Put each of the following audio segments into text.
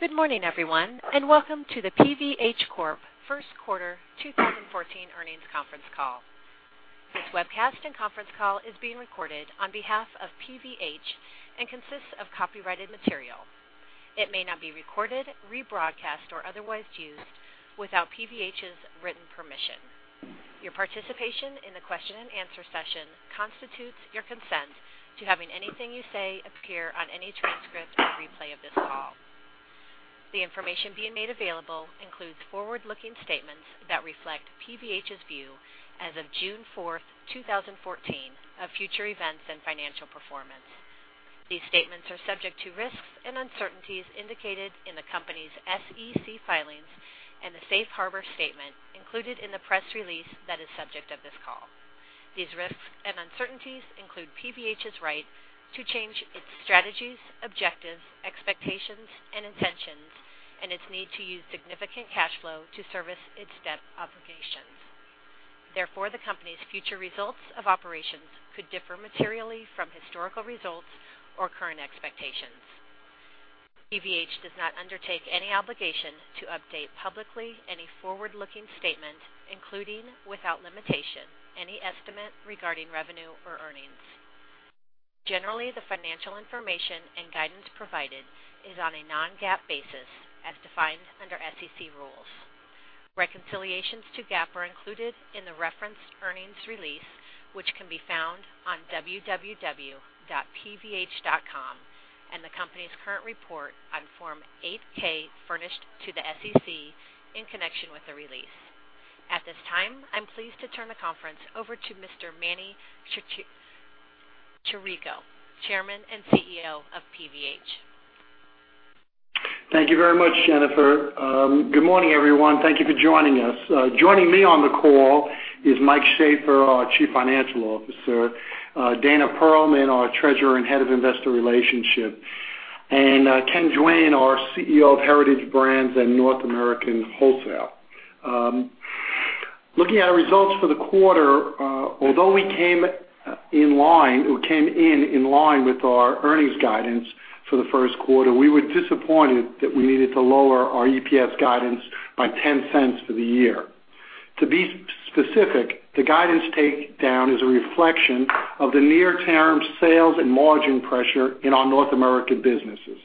Good morning, everyone, and welcome to the PVH Corp First Quarter 2014 Earnings Conference Call. This webcast and conference call is being recorded on behalf of PVH and consists of copyrighted material. It may not be recorded, rebroadcast, or otherwise used without PVH's written permission. Your participation in the question and answer session constitutes your consent to having anything you say appear on any transcript or replay of this call. The information being made available includes forward-looking statements that reflect PVH's view as of June 4th, 2014, of future events and financial performance. These statements are subject to risks and uncertainties indicated in the company's SEC filings and the safe harbor statement included in the press release that is subject of this call. These risks and uncertainties include PVH's right to change its strategies, objectives, expectations, and intentions, and its need to use significant cash flow to service its debt obligations. Therefore, the company's future results of operations could differ materially from historical results or current expectations. PVH does not undertake any obligation to update publicly any forward-looking statement, including, without limitation, any estimate regarding revenue or earnings. Generally, the financial information and guidance provided is on a non-GAAP basis as defined under SEC rules. Reconciliations to GAAP are included in the referenced earnings release, which can be found on www.pvh.com, and the company's current report on Form 8-K furnished to the SEC in connection with the release. At this time, I'm pleased to turn the conference over to Mr. Emanuel Chirico, Chairman and CEO of PVH. Thank you very much, Jennifer. Good morning, everyone. Thank you for joining us. Joining me on the call is Mike Shaffer, our Chief Financial Officer, Dana Perlman, our Treasurer and Head of Investor Relations, and Ken Duane, our CEO of Heritage Brands and North American Wholesale. Looking at our results for the quarter, although we came in line with our earnings guidance for the first quarter, we were disappointed that we needed to lower our EPS guidance by $0.10 for the year. To be specific, the guidance takedown is a reflection of the near-term sales and margin pressure in our North American businesses.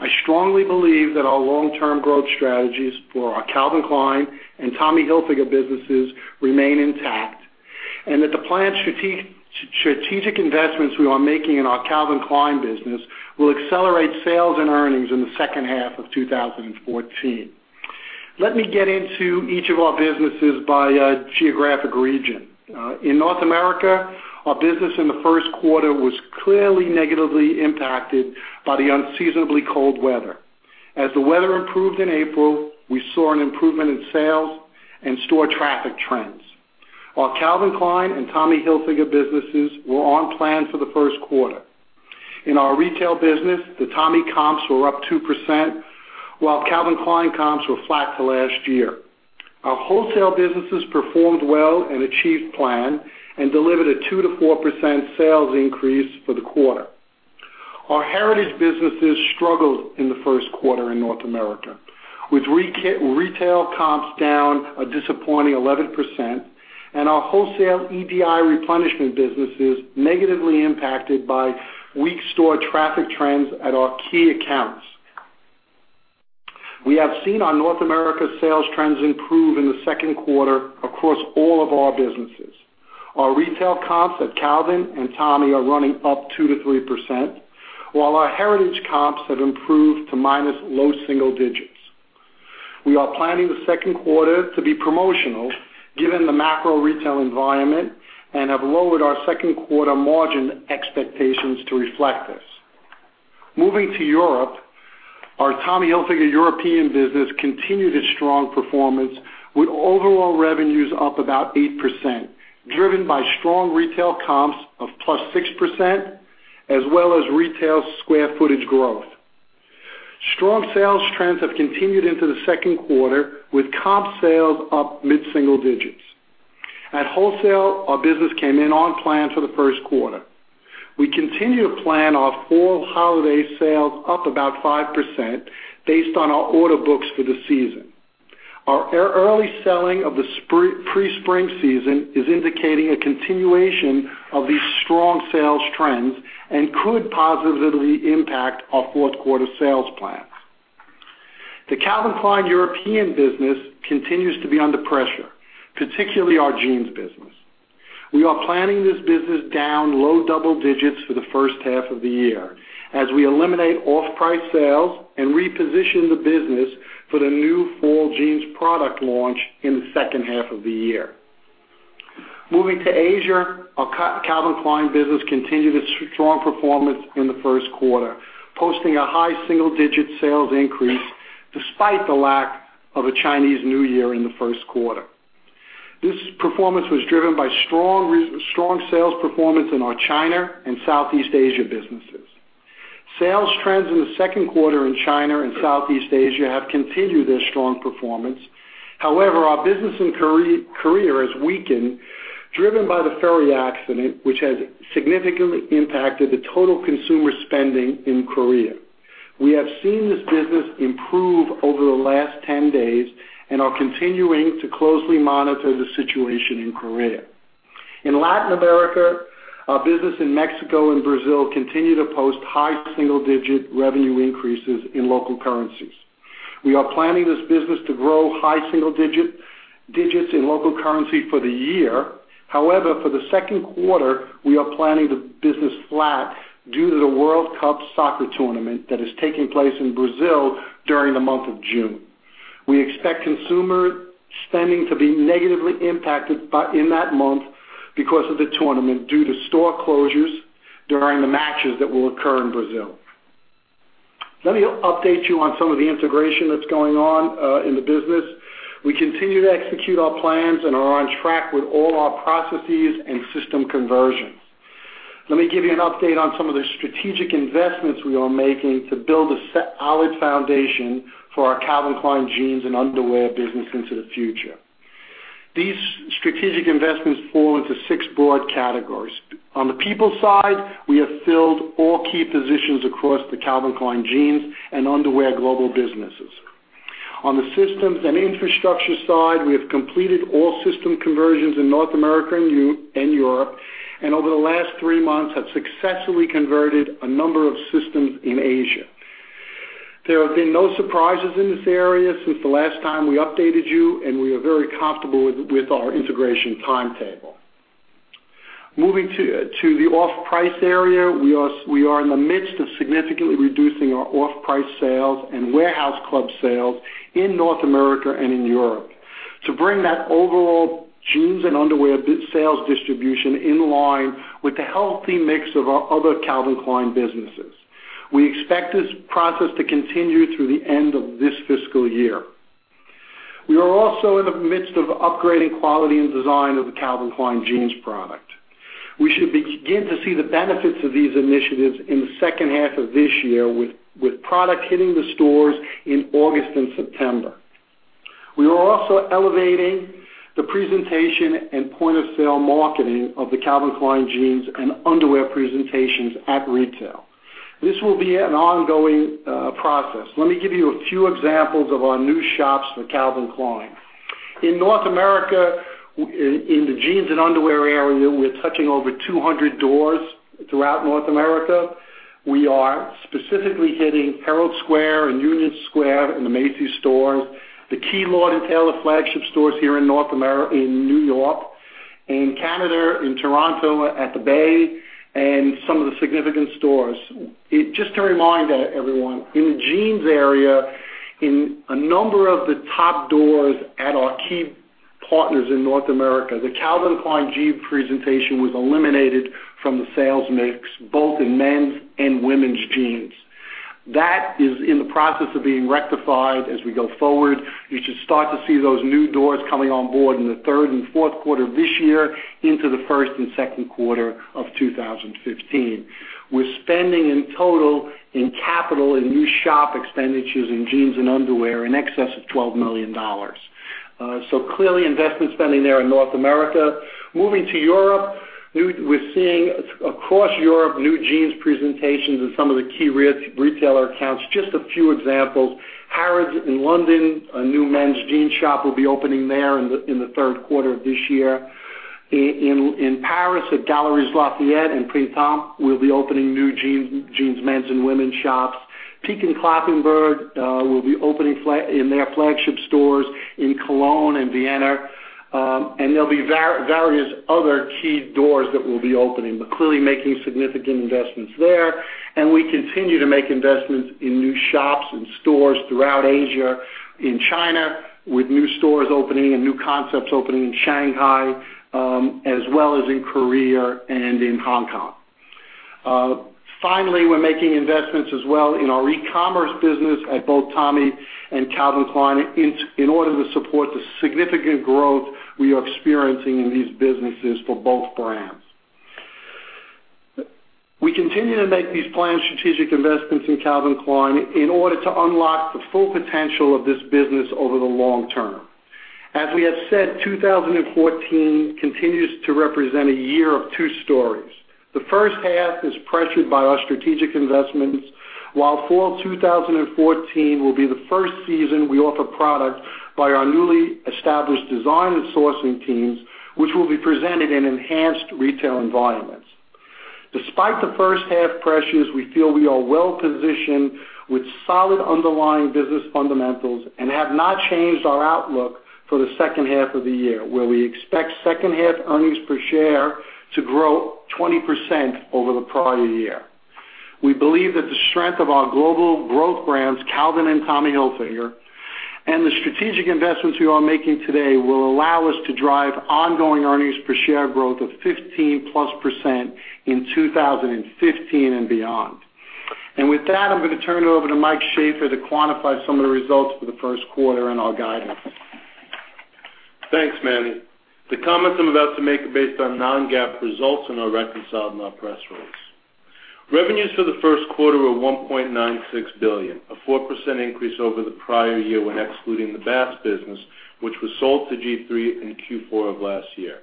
I strongly believe that our long-term growth strategies for our Calvin Klein and Tommy Hilfiger businesses remain intact, and that the planned strategic investments we are making in our Calvin Klein business will accelerate sales and earnings in the second half of 2014. Let me get into each of our businesses by geographic region. In North America, our business in the first quarter was clearly negatively impacted by the unseasonably cold weather. As the weather improved in April, we saw an improvement in sales and store traffic trends. Our Calvin Klein and Tommy Hilfiger businesses were on plan for the first quarter. In our retail business, the Tommy comps were up 2%, while Calvin Klein comps were flat to last year. Our wholesale businesses performed well and achieved plan, and delivered a 2%-4% sales increase for the quarter. Our Heritage businesses struggled in the first quarter in North America, with retail comps down a disappointing 11%, and our wholesale EDI replenishment businesses negatively impacted by weak store traffic trends at our key accounts. We have seen our North America sales trends improve in the second quarter across all of our businesses. Our retail comps at Calvin and Tommy are running up 2%-3%, while our Heritage comps have improved to minus low single digits. We are planning the second quarter to be promotional, given the macro retail environment, and have lowered our second quarter margin expectations to reflect this. Moving to Europe, our Tommy Hilfiger European business continued its strong performance with overall revenues up about 8%, driven by strong retail comps of +6%, as well as retail square footage growth. Strong sales trends have continued into the second quarter, with comp sales up mid-single digits. At wholesale, our business came in on plan for the first quarter. We continue to plan our fall holiday sales up about 5%, based on our order books for the season. Our early selling of the pre-spring season is indicating a continuation of these strong sales trends and could positively impact our fourth quarter sales plan. The Calvin Klein European business continues to be under pressure, particularly our jeans business. We are planning this business down low double digits for the first half of the year, as we eliminate off-price sales and reposition the business for the new fall jeans product launch in the second half of the year. Moving to Asia, our Calvin Klein business continued its strong performance in the first quarter, posting a high single-digit sales increase despite the lack of a Chinese New Year in the first quarter. This performance was driven by strong sales performance in our China and Southeast Asia businesses. Sales trends in the second quarter in China and Southeast Asia have continued their strong performance. However, our business in Korea has weakened, driven by the ferry accident, which has significantly impacted the total consumer spending in Korea. We have seen this business improve over the last 10 days and are continuing to closely monitor the situation in Korea. In Latin America, our business in Mexico and Brazil continue to post high single-digit revenue increases in local currencies. We are planning this business to grow high single digits in local currency for the year. However, for the second quarter, we are planning the business flat due to the World Cup soccer tournament that is taking place in Brazil during the month of June. We expect consumer spending to be negatively impacted in that month because of the tournament due to store closures during the matches that will occur in Brazil. Let me update you on some of the integration that's going on in the business. We continue to execute our plans and are on track with all our processes and system conversions. Let me give you an update on some of the strategic investments we are making to build a solid foundation for our Calvin Klein jeans and underwear business into the future. These strategic investments fall into six broad categories. On the people side, we have filled all key positions across the Calvin Klein jeans and underwear global businesses. On the systems and infrastructure side, we have completed all system conversions in North America and Europe, and over the last three months have successfully converted a number of systems in Asia. There have been no surprises in this area since the last time we updated you, and we are very comfortable with our integration timetable. Moving to the off-price area, we are in the midst of significantly reducing our off-price sales and warehouse club sales in North America and in Europe to bring that overall jeans and underwear sales distribution in line with the healthy mix of our other Calvin Klein businesses. We expect this process to continue through the end of this fiscal year. We are also in the midst of upgrading quality and design of the Calvin Klein jeans product. We should begin to see the benefits of these initiatives in the second half of this year with product hitting the stores in August and September. We are also elevating the presentation and point-of-sale marketing of the Calvin Klein jeans and underwear presentations at retail. This will be an ongoing process. Let me give you a few examples of our new shops for Calvin Klein. In North America, in the jeans and underwear area, we're touching over 200 doors throughout North America. We are specifically hitting Herald Square and Union Square in the Macy's stores, the key Lord & Taylor flagship stores here in New York, in Canada, in Toronto at Hudson's Bay, and some of the significant stores. Just to remind everyone, in the jeans area, in a number of the top doors at our key partners in North America, the Calvin Klein jeans presentation was eliminated from the sales mix, both in men's and women's jeans. That is in the process of being rectified as we go forward. You should start to see those new doors coming on board in the third and fourth quarter of this year into the first and second quarter of 2015. We're spending in total in capital in new shop expenditures in jeans and underwear in excess of $12 million. Clearly investment spending there in North America. Moving to Europe, we're seeing across Europe new jeans presentations in some of the key retailer accounts. Just a few examples. Harrods in London, a new men's jean shop will be opening there in the third quarter of this year. In Paris at Galeries Lafayette and Printemps, we'll be opening new jeans men's and women's shops. Peek & Cloppenburg will be opening in their flagship stores in Cologne and Vienna, and there'll be various other key doors that we'll be opening, but clearly making significant investments there. We continue to make investments in new shops and stores throughout Asia, in China, with new stores opening and new concepts opening in Shanghai, as well as in Korea and in Hong Kong. Finally, we're making investments as well in our e-commerce business at both Tommy and Calvin Klein in order to support the significant growth we are experiencing in these businesses for both brands. We continue to make these planned strategic investments in Calvin Klein in order to unlock the full potential of this business over the long term. As we have said, 2014 continues to represent a year of two stories. The first half is pressured by our strategic investments, while fall 2014 will be the first season we offer product by our newly established design and sourcing teams, which will be presented in enhanced retail environments. Despite the first-half pressures, we feel we are well-positioned with solid underlying business fundamentals and have not changed our outlook for the second half of the year, where we expect second-half earnings per share to grow 20% over the prior year. We believe that the strength of our global growth brands, Calvin and Tommy Hilfiger, and the strategic investments we are making today will allow us to drive ongoing earnings per share growth of 15%+ in 2015 and beyond. I am going to turn it over to Michael Shaffer to quantify some of the results for the first quarter and our guidance. Thanks, Manny. The comments I am about to make are based on non-GAAP results and are reconciled in our press release. Revenues for the first quarter were $1.96 billion, a 4% increase over the prior year when excluding the Bass business, which was sold to G-III in Q4 of last year.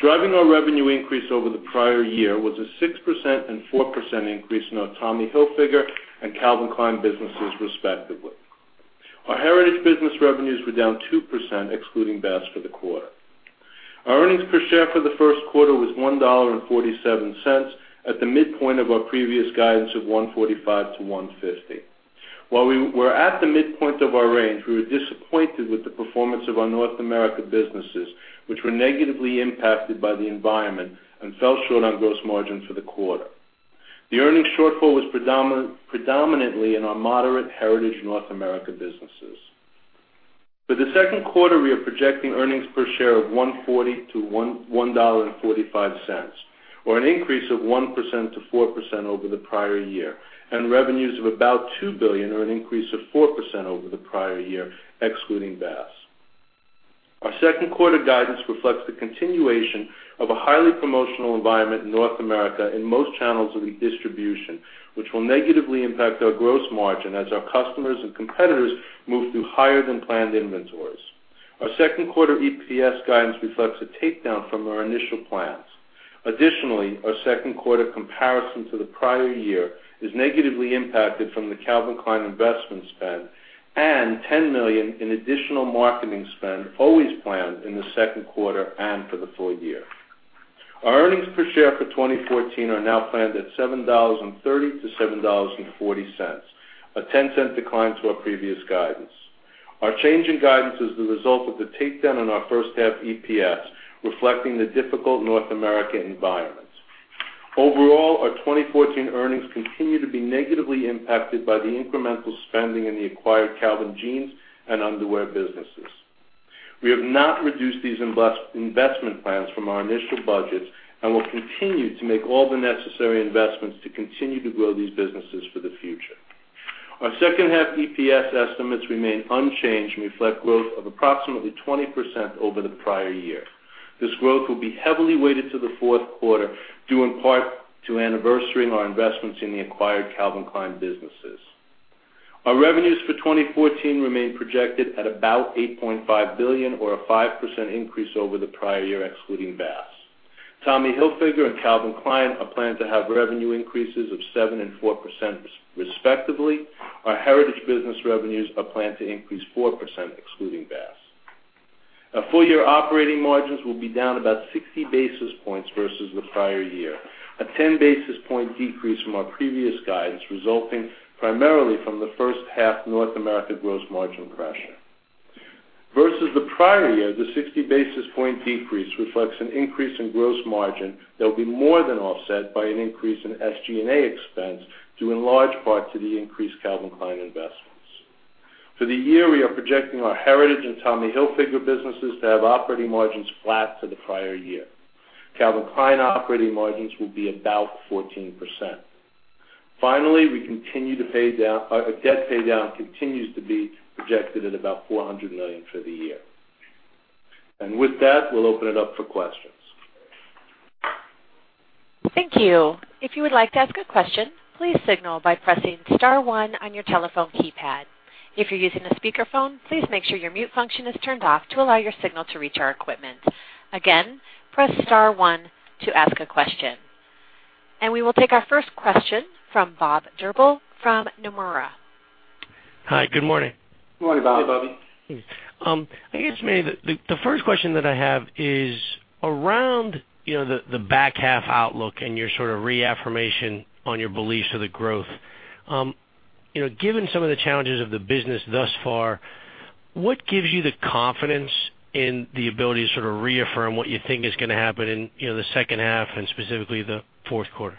Driving our revenue increase over the prior year was a 6% and 4% increase in our Tommy Hilfiger and Calvin Klein businesses respectively. Our Heritage business revenues were down 2%, excluding Bass, for the quarter. Our earnings per share for the first quarter was $1.47 at the midpoint of our previous guidance of $1.45-$1.50. While we were at the midpoint of our range, we were disappointed with the performance of our North America businesses, which were negatively impacted by the environment and fell short on gross margin for the quarter. The earnings shortfall was predominantly in our moderate Heritage North America businesses. For the second quarter, we are projecting earnings per share of $1.40-$1.45, or an increase of 1%-4% over the prior year, and revenues of about $2 billion or an increase of 4% over the prior year, excluding Bass. Our second quarter guidance reflects the continuation of a highly promotional environment in North America in most channels of distribution, which will negatively impact our gross margin as our customers and competitors move through higher than planned inventories. Our second quarter EPS guidance reflects a takedown from our initial plans. Additionally, our second quarter comparison to the prior year is negatively impacted from the Calvin Klein investment spend and $10 million in additional marketing spend always planned in the second quarter and for the full year. Our earnings per share for 2014 are now planned at $7.30-$7.40, a $0.10 decline to our previous guidance. Our change in guidance is the result of the takedown on our first half EPS, reflecting the difficult North America environment. Overall, our 2014 earnings continue to be negatively impacted by the incremental spending in the acquired Calvin jeans and underwear businesses. We have not reduced these investment plans from our initial budgets and will continue to make all the necessary investments to continue to grow these businesses for the future. Our second half EPS estimates remain unchanged and reflect growth of approximately 20% over the prior year. This growth will be heavily weighted to the fourth quarter, due in part to anniversarying our investments in the acquired Calvin Klein businesses. Our revenues for 2014 remain projected at about $8.5 billion, or a 5% increase over the prior year, excluding Bass. Tommy Hilfiger and Calvin Klein are planned to have revenue increases of 7% and 4%, respectively. Our Heritage business revenues are planned to increase 4%, excluding Bass. Our full-year operating margins will be down about 60 basis points versus the prior year. A 10 basis point decrease from our previous guidance resulting primarily from the first half North America gross margin pressure. Versus the prior year, the 60 basis point decrease reflects an increase in gross margin that will be more than offset by an increase in SG&A expense, due in large part to the increased Calvin Klein investments. For the year, we are projecting our Heritage and Tommy Hilfiger businesses to have operating margins flat to the prior year. Calvin Klein operating margins will be about 14%. Our debt paydown continues to be projected at about $400 million for the year. With that, we'll open it up for questions. Thank you. If you would like to ask a question, please signal by pressing *1 on your telephone keypad. If you're using a speakerphone, please make sure your mute function is turned off to allow your signal to reach our equipment. Again, press *1 to ask a question. We will take our first question from Bob Drbul from Nomura. Hi, good morning. Good morning, Bob. Hey, Bobby. I guess maybe the first question that I have is around the back half outlook and your sort of reaffirmation on your beliefs of the growth. Given some of the challenges of the business thus far, what gives you the confidence in the ability to sort of reaffirm what you think is going to happen in the second half and specifically the fourth quarter?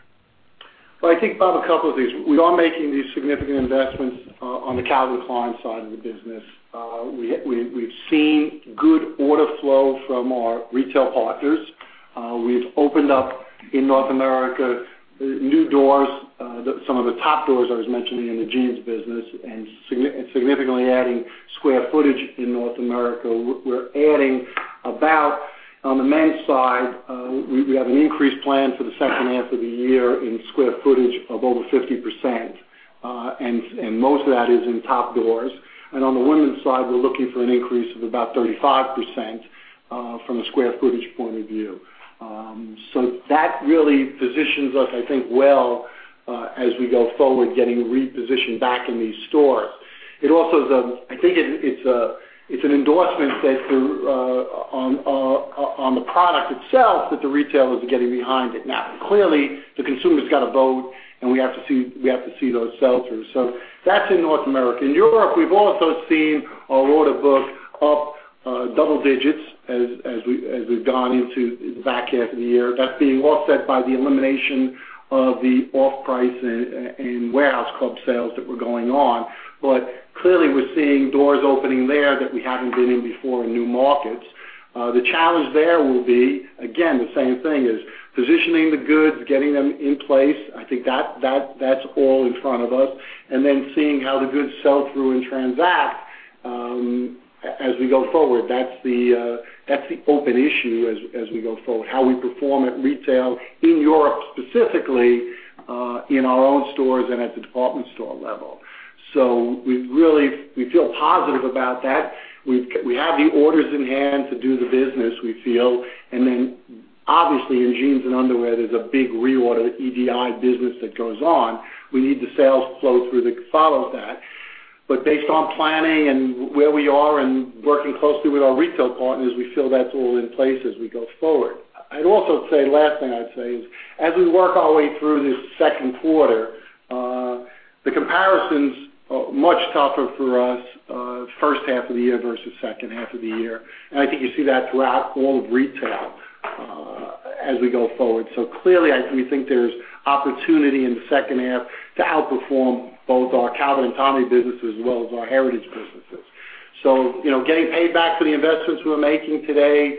I think, Bob, a couple of things. We are making these significant investments on the Calvin Klein side of the business. We've seen good order flow from our retail partners. We've opened up in North America new doors, some of the top doors I was mentioning in the jeans business, and significantly adding square footage in North America. We're adding about, on the men's side, we have an increased plan for the second half of the year in square footage of over 50%, and most of that is in top doors. On the women's side, we're looking for an increase of about 35% from a square footage point of view. That really positions us, I think, well as we go forward, getting repositioned back in these stores. I think it's an endorsement on the product itself that the retailers are getting behind it now. Clearly, the consumer's got a vote and we have to see those sell-through. That's in North America. In Europe, we've also seen our order book up double digits as we've gone into the back half of the year. That's being offset by the elimination of the off-price and warehouse club sales that were going on. Clearly, we're seeing doors opening there that we haven't been in before in new markets. The challenge there will be, again, the same thing is positioning the goods, getting them in place. I think that's all in front of us. Then seeing how the goods sell through and transact As we go forward, that's the open issue as we go forward, how we perform at retail in Europe, specifically, in our own stores and at the department store level. We feel positive about that. We have the orders in hand to do the business, we feel. Then obviously in jeans and underwear, there's a big reorder EDI business that goes on. We need the sales flow through that follows that. Based on planning and where we are and working closely with our retail partners, we feel that's all in place as we go forward. I'd also say, last thing I'd say is, as we work our way through this second quarter, the comparisons are much tougher for us, first half of the year versus second half of the year. I think you see that throughout all of retail as we go forward. Clearly, we think there's opportunity in the second half to outperform both our Calvin and Tommy businesses as well as our Heritage Brands businesses. Getting paid back for the investments we're making today,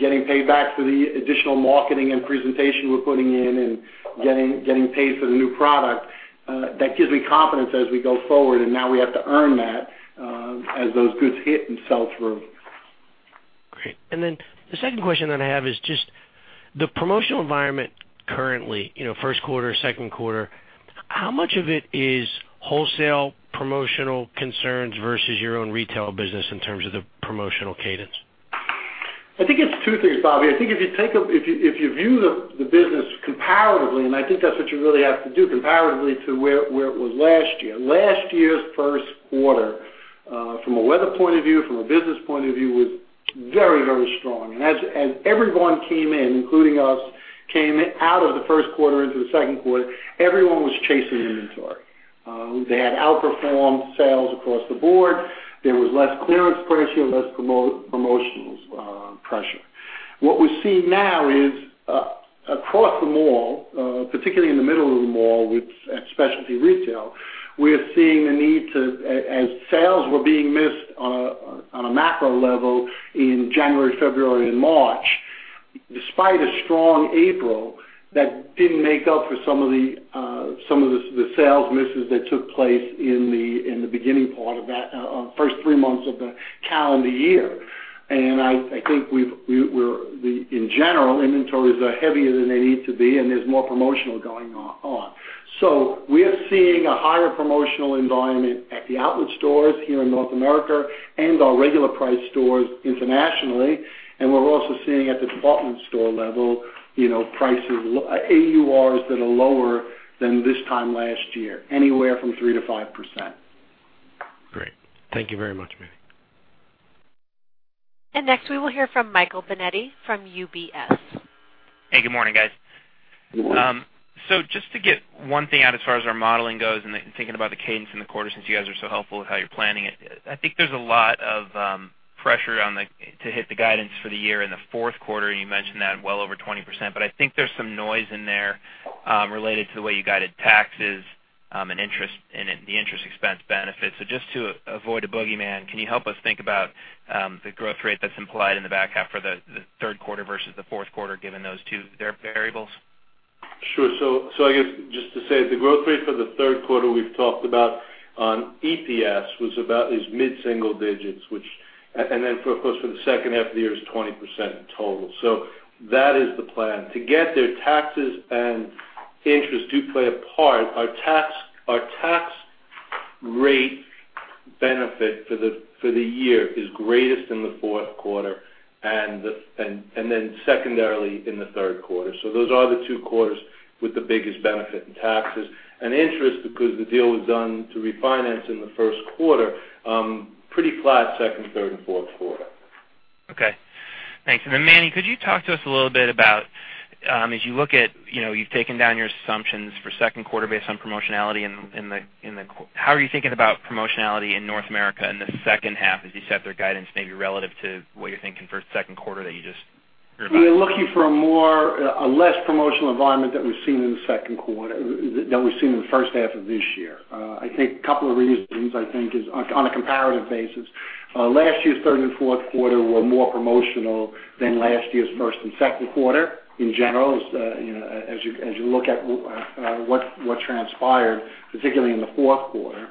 getting paid back for the additional marketing and presentation we're putting in, and getting paid for the new product. That gives me confidence as we go forward. Now we have to earn that as those goods hit and sell through. Great. Then the second question that I have is just the promotional environment currently, first quarter, second quarter, how much of it is wholesale promotional concerns versus your own retail business in terms of the promotional cadence? I think it's two things, Bob. I think if you view the business comparatively, I think that's what you really have to do, comparatively to where it was last year. Last year's first quarter, from a weather point of view, from a business point of view, was very strong. As everyone came in, including us, came out of the first quarter into the second quarter, everyone was chasing inventory. They had outperformed sales across the board. There was less clearance pressure, less promotional pressure. What we see now is across the mall, particularly in the middle of the mall at specialty retail, we are seeing the need to, as sales were being missed on a macro level in January, February, and March, despite a strong April, that didn't make up for some of the sales misses that took place in the beginning part of that first three months of the calendar year. I think in general, inventories are heavier than they need to be, there's more promotional going on. We are seeing a higher promotional environment at the outlet stores here in North America and our regular price stores internationally. We're also seeing at the department store level, AURs that are lower than this time last year, anywhere from 3%-5%. Great. Thank you very much, Manny. Next we will hear from Michael Binetti from UBS. Hey, good morning, guys. Just to get one thing out as far as our modeling goes and thinking about the cadence in the quarter, since you guys are so helpful with how you're planning it, I think there's a lot of pressure to hit the guidance for the year in the fourth quarter, and you mentioned that well over 20%, but I think there's some noise in there related to the way you guided taxes and the interest expense benefits. Just to avoid a boogeyman, can you help us think about the growth rate that's implied in the back half for the third quarter versus the fourth quarter, given those two variables? Sure. I guess just to say the growth rate for the third quarter we've talked about on EPS was about mid-single digits, and then of course, for the second half of the year is 20% in total. That is the plan. To get there, taxes and interest do play a part. Our tax rate benefit for the year is greatest in the fourth quarter, and then secondarily in the third quarter. Those are the two quarters with the biggest benefit in taxes and interest because the deal was done to refinance in the first quarter. Pretty flat second, third, and fourth quarter. Okay. Thanks. Manny, could you talk to us a little bit about, as you look at, you've taken down your assumptions for second quarter based on promotionality. How are you thinking about promotionality in North America in the second half as you set their guidance, maybe relative to what you're thinking for second quarter that you just- We are looking for a less promotional environment than we've seen in the first half of this year. I think a couple of reasons is on a comparative basis. Last year's third and fourth quarter were more promotional than last year's first and second quarter. In general, as you look at what transpired, particularly in the fourth quarter.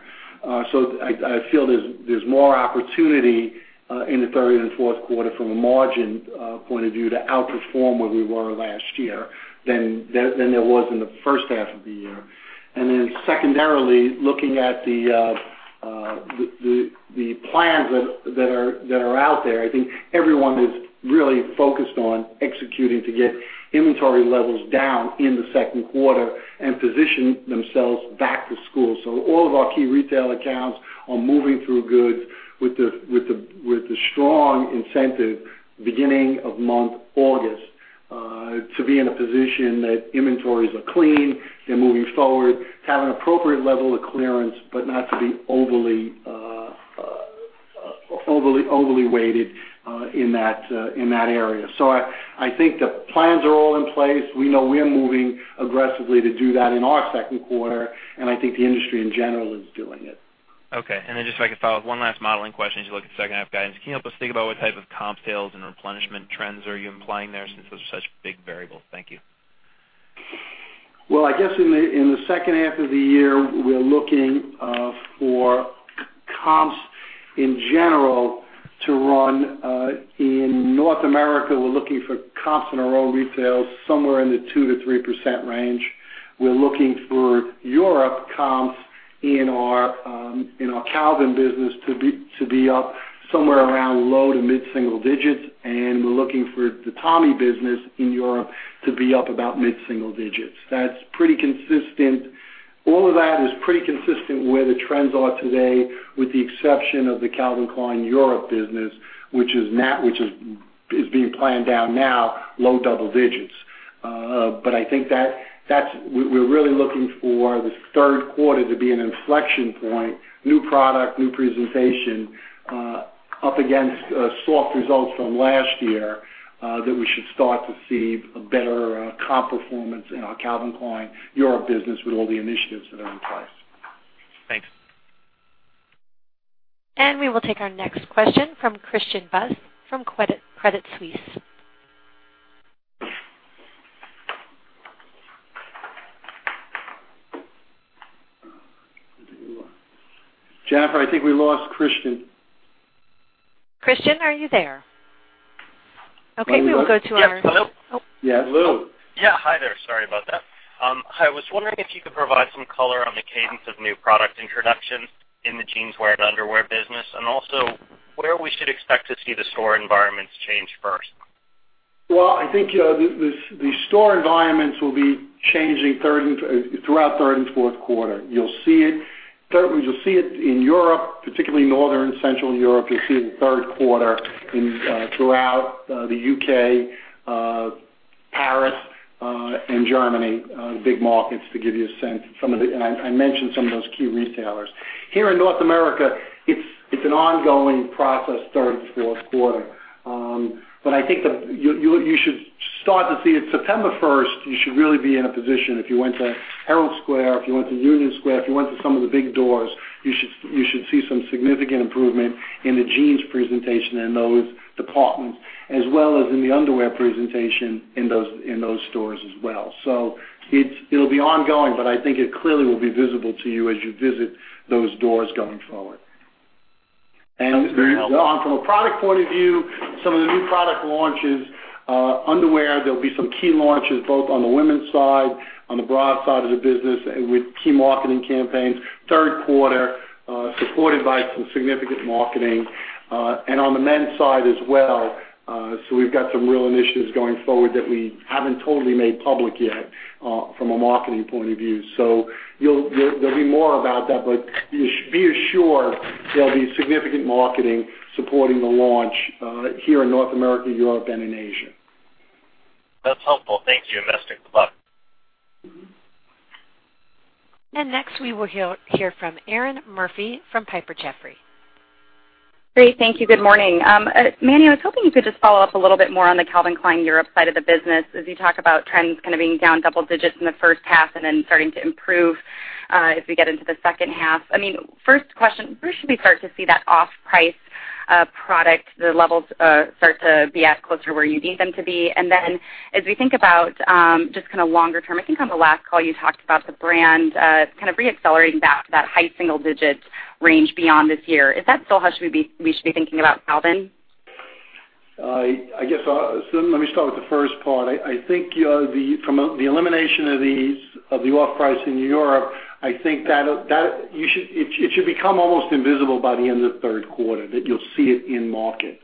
I feel there's more opportunity in the third and fourth quarter from a margin point of view to outperform where we were last year than there was in the first half of the year. Secondarily, looking at the plans that are out there, I think everyone is really focused on executing to get inventory levels down in the second quarter and position themselves back to school. All of our key retail accounts are moving through goods with the strong incentive beginning of month August, to be in a position that inventories are clean, they're moving forward, have an appropriate level of clearance, but not to be overly weighted in that area. I think the plans are all in place. We know we are moving aggressively to do that in our second quarter, and I think the industry in general is doing it. Okay. Then just if I could follow up, one last modeling question as you look at second half guidance. Can you help us think about what type of comp sales and replenishment trends are you implying there since those are such big variables? Thank you. Well, I guess in the second half of the year, we're looking for comps in general to run. In North America, we're looking for comps in our own retail somewhere in the 2%-3% range. We're looking for Europe comps in our Calvin business to be up somewhere around low to mid-single digits, and we're looking for the Tommy business in Europe to be up about mid-single digits. All of that is pretty consistent where the trends are today, with the exception of the Calvin Klein Europe business, which is being planned down now low double digits. I think we're really looking for the third quarter to be an inflection point, new product, new presentation, up against soft results from last year, that we should start to see a better comp performance in our Calvin Klein Europe business with all the initiatives that are in place. Thanks. We will take our next question from Christian Buss from Credit Suisse. Jennifer, I think we lost Christian. Christian, are you there? Okay, we will go to our. Yes. Hello? Yeah. Hello. Yeah. Hi there. Sorry about that. I was wondering if you could provide some color on the cadence of new product introductions in the jeans wear and underwear business, and also where we should expect to see the store environments change first. Well, I think the store environments will be changing throughout third and fourth quarter. You'll see it in Europe, particularly Northern Central Europe. You'll see it in the third quarter throughout the U.K., Paris, and Germany, big markets to give you a sense. I mentioned some of those key retailers. Here in North America, it's an ongoing process starting the fourth quarter. I think you should start to see it September 1st. You should really be in a position, if you went to Herald Square, if you went to Union Square, if you went to some of the big doors, you should see some significant improvement in the jeans presentation in those departments, as well as in the underwear presentation in those stores as well. It'll be ongoing, but I think it clearly will be visible to you as you visit those doors going forward. That's very helpful. From a product point of view, some of the new product launches, underwear, there'll be some key launches both on the women's side, on the bra side of the business, and with key marketing campaigns, third quarter, supported by some significant marketing, and on the men's side as well. We've got some real initiatives going forward that we haven't totally made public yet from a marketing point of view. There'll be more about that, but be assured there'll be significant marketing supporting the launch here in North America, Europe, and in Asia. That's helpful. Thank you. Best of luck. Next we will hear from Erinn Murphy from Piper Jaffray. Great. Thank you. Good morning. Manny, I was hoping you could just follow up a little bit more on the Calvin Klein Europe side of the business as you talk about trends kind of being down double-digits in the first half and then starting to improve as we get into the second half. First question, where should we start to see that off-price product, the levels start to be at closer where you need them to be? And then as we think about just kind of longer term, I think on the last call, you talked about the brand kind of re-accelerating that high single-digit range beyond this year. Is that still how we should be thinking about Calvin? Let me start with the first part. I think from the elimination of the off-price in Europe, I think it should become almost invisible by the end of the third quarter, that you'll see it in market.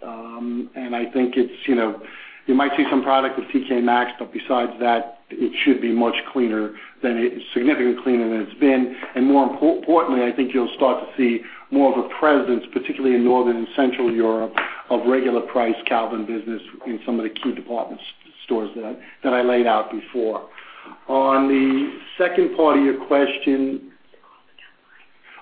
I think you might see some product with TK Maxx, but besides that, it should be significantly cleaner than it's been. More importantly, I think you'll start to see more of a presence, particularly in Northern and Central Europe, of regular price Calvin business in some of the key department stores that I laid out before. On the second part of your question.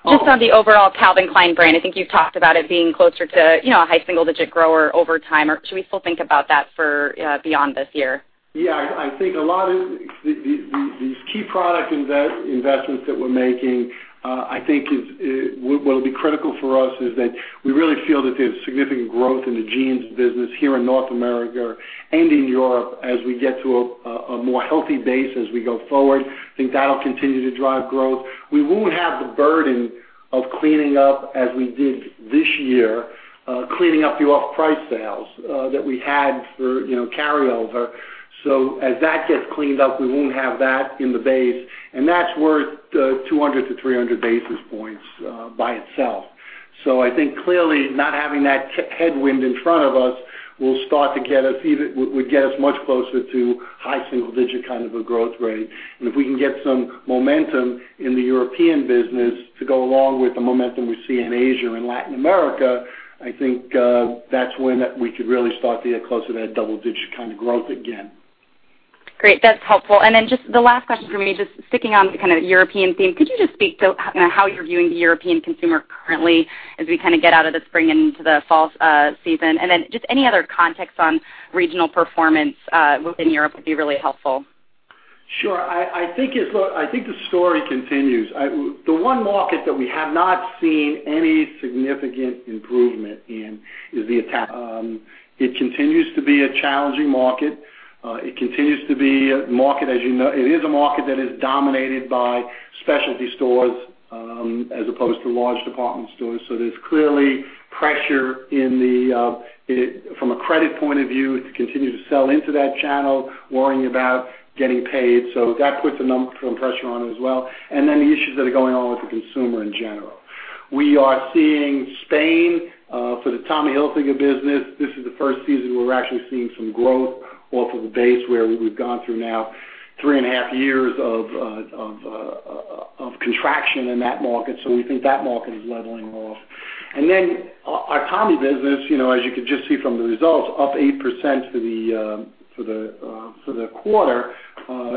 Just on the overall Calvin Klein brand, I think you've talked about it being closer to a high single-digit grower over time, or should we still think about that for beyond this year? Yeah, I think a lot of these key product investments that we're making, I think what will be critical for us is that we really feel that there's significant growth in the jeans business here in North America and in Europe as we get to a more healthy base as we go forward. I think that'll continue to drive growth. We won't have the burden of cleaning up as we did this year, cleaning up the off-price sales that we had for carryover. As that gets cleaned up, we won't have that in the base, and that's worth 200-300 basis points by itself. I think clearly not having that headwind in front of us will get us much closer to high single-digit kind of a growth rate. If we can get some momentum in the European business to go along with the momentum we see in Asia and Latin America, I think that's when we could really start to get closer to that double-digit kind of growth again. Great. That's helpful. Just the last question from me, just sticking on the kind of European theme, could you just speak to how you're viewing the European consumer currently as we kind of get out of the spring into the fall season? Just any other context on regional performance within Europe would be really helpful. Sure. I think the story continues. The one market that we have not seen any significant improvement in is the Ital--- It continues to be a challenging market. It continues to be a market, as you know, it is a market that is dominated by specialty stores as opposed to large department stores. There's clearly pressure from a credit point of view to continue to sell into that channel, worrying about getting paid. That puts some pressure on it as well, and then the issues that are going on with the consumer in general. We are seeing Spain for the Tommy Hilfiger business. This is the first season where we're actually seeing some growth off of a base where we've gone through now three and a half years of contraction in that market. We think that market is leveling off. Our Tommy business, as you can just see from the results, up 8% for the quarter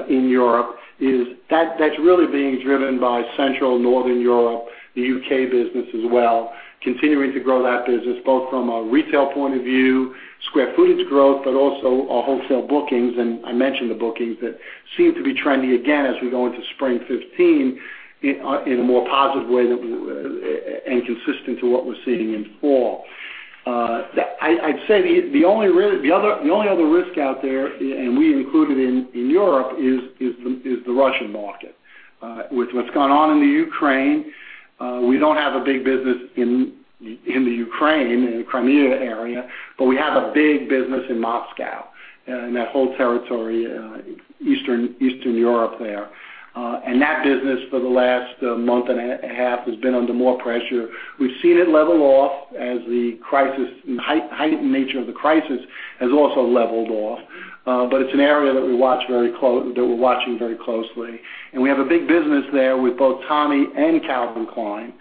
in Europe. That's really being driven by Central Northern Europe, the U.K. business as well, continuing to grow that business both from a retail point of view, square footage growth, but also our wholesale bookings. I mentioned the bookings that seem to be trending again as we go into spring 2015 in a more positive way and consistent to what we're seeing in fall. I'd say the only other risk out there, and we include it in Europe, is the Russian market. With what's gone on in the Ukraine, we don't have a big business in the Ukraine, in the Crimea area, but we have a big business in Moscow and that whole territory, Eastern Europe there. That business for the last month and a half has been under more pressure. We've seen it level off as the heightened nature of the crisis has also leveled off. It's an area that we're watching very closely. We have a big business there with both Tommy and Calvin Klein,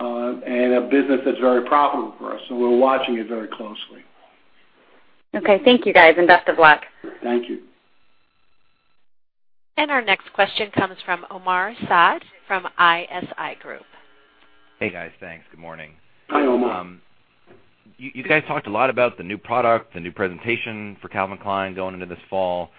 and a business that's very profitable for us, so we're watching it very closely. Okay. Thank you guys, and best of luck. Thank you. Our next question comes from Omar Saad from ISI Group. Hey, guys. Thanks. Good morning. Hi, Omar. You guys talked a lot about the new product, the new presentation for Calvin Klein going into this fall.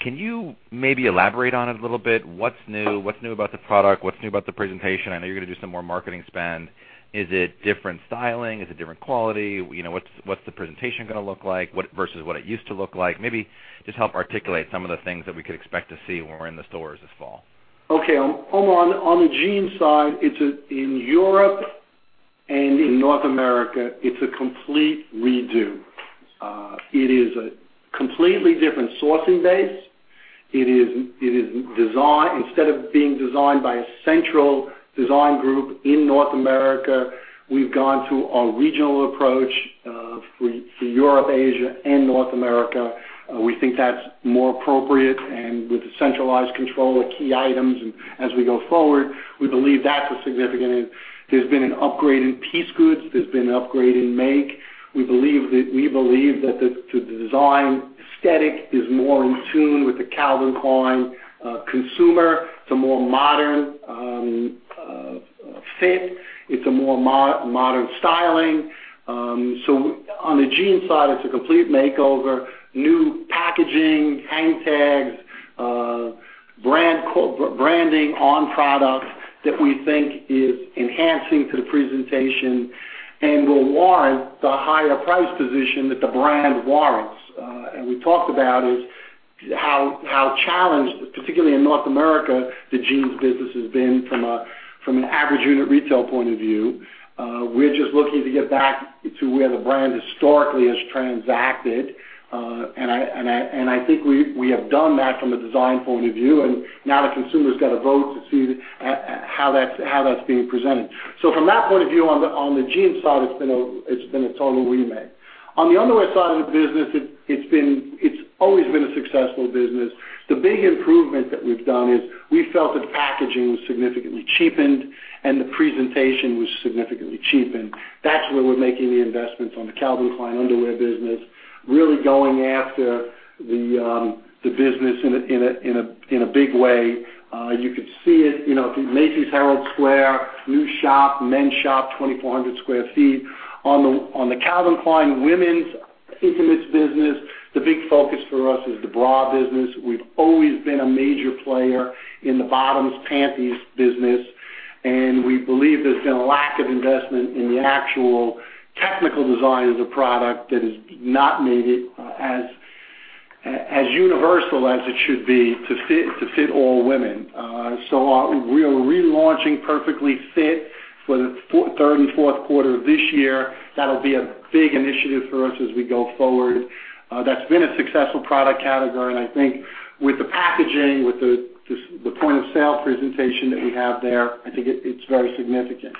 Can you maybe elaborate on it a little bit? What's new? What's new about the product? What's new about the presentation? I know you're going to do some more marketing spend. Is it different styling? Is it different quality? What's the presentation going to look like versus what it used to look like? Maybe just help articulate some of the things that we could expect to see when we're in the stores this fall. Okay. Omar, on the jeans side, in Europe and in North America, it's a complete redo. It is a completely different sourcing base. Instead of being designed by a central design group in North America, we've gone to a regional approach for Europe, Asia, and North America. We think that's more appropriate, and with the centralized control of key items as we go forward, we believe that's a significant. There's been an upgrade in piece goods. There's been an upgrade in make. We believe that the design aesthetic is more in tune with the Calvin Klein consumer. It's a more modern fit. It's a more modern styling. On the jeans side, it's a complete makeover. New packaging, hang tags, branding on products that we think is enhancing to the presentation and will warrant the higher price position that the brand warrants. We talked about is how challenged, particularly in North America, the jeans business has been from an average unit retail point of view. We're just looking to get back to where the brand historically has transacted. I think we have done that from a design point of view, and now the consumer's got to vote to see how that's being presented. From that point of view on the jeans side, it's been a total remake. On the underwear side of the business, it's always been a successful business. The big improvement that we've done is we felt that the packaging was significantly cheapened and the presentation was significantly cheapened. That's where we're making the investments on the Calvin Klein underwear business, really going after the business in a big way. You could see it at the Macy's Herald Square new shop, men's shop, 2,400 sq ft. On the Calvin Klein women's intimates business, the big focus for us is the bra business. We've always been a major player in the bottoms panties business, and we believe there's been a lack of investment in the actual technical design of the product that has not made it as universal as it should be to fit all women. We are relaunching Perfectly Fit for the third and fourth quarter of this year. That'll be a big initiative for us as we go forward. That's been a successful product category, and I think with the packaging, with the point of sale presentation that we have there, I think it's very significant.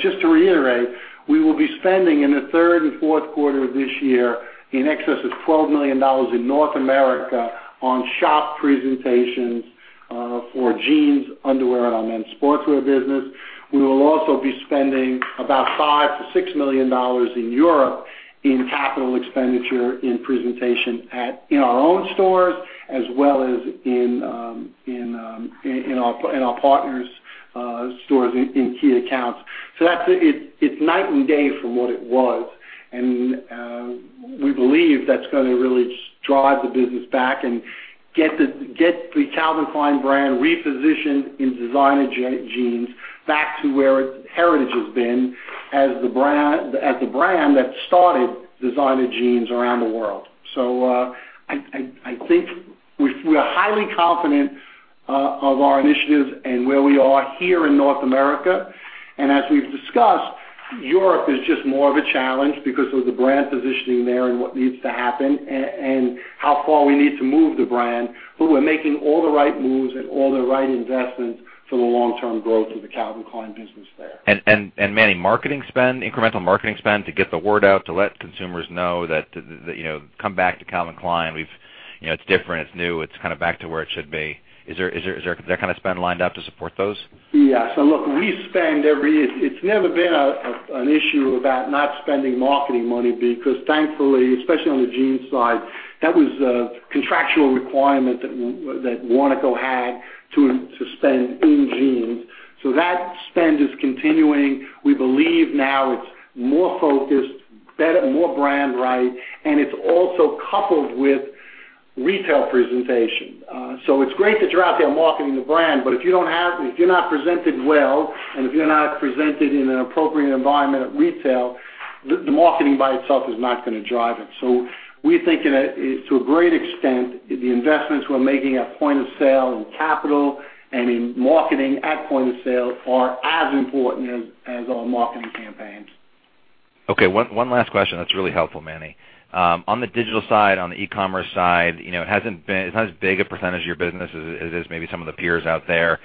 Just to reiterate, we will be spending in the third and fourth quarter of this year in excess of $12 million in North America on shop presentations for jeans, underwear, and our men's sportswear business. We will also be spending about $5 million-$6 million in Europe in capital expenditure in presentation in our own stores, as well as in our partners' stores in key accounts. It's night and day from what it was, and we believe that's going to really drive the business back and get the Calvin Klein brand repositioned in designer jeans back to where its heritage has been as the brand that started designer jeans around the world. I think we're highly confident of our initiatives and where we are here in North America. As we've discussed, Europe is just more of a challenge because of the brand positioning there and what needs to happen, and how far we need to move the brand. We're making all the right moves and all the right investments for the long-term growth of the Calvin Klein business there. Manny, incremental marketing spend to get the word out, to let consumers know that, come back to Calvin Klein. It's different, it's new, it's back to where it should be. Is there that kind of spend lined up to support those? Yeah. Look, it's never been an issue about not spending marketing money because thankfully, especially on the jeans side, that was a contractual requirement that Warnaco had to spend in jeans. That spend is continuing. We believe now it's more focused, more brand right, and it's also coupled with retail presentation. It's great that you're out there marketing the brand, but if you're not presented well, and if you're not presented in an appropriate environment at retail, the marketing by itself is not going to drive it. We're thinking that to a great extent, the investments we're making at point of sale in capital and in marketing at point of sale are as important as our marketing campaigns. Okay, one last question that's really helpful, Manny. On the digital side, on the e-commerce side, it's not as big a percentage of your business as it is maybe some of the peers out there,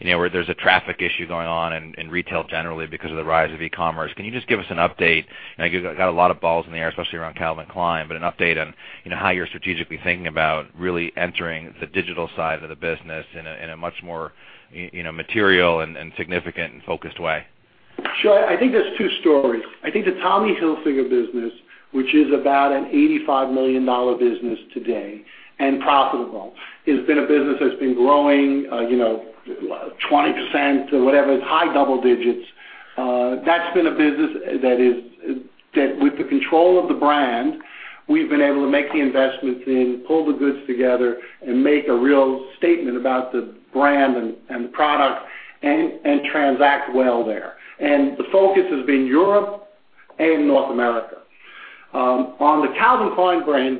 where there's a traffic issue going on in retail generally because of the rise of e-commerce. Can you just give us an update? I guess you got a lot of balls in the air, especially around Calvin Klein, but an update on how you're strategically thinking about really entering the digital side of the business in a much more material and significant and focused way. Sure. I think there's two stories. I think the Tommy Hilfiger business, which is about an $85 million business today, and profitable, has been a business that's been growing at 20% or whatever, it's high double digits. That's been a business that with the control of the brand, we've been able to make the investments in, pull the goods together and make a real statement about the brand and the product, and transact well there. The focus has been Europe and North America. On the Calvin Klein brand,